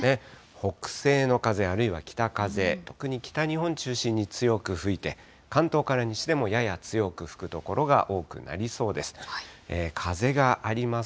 北西の風、あるいは北風、特に北日本中心に強く吹いて、関東から西でもやや強く吹く所が多くなりそうです。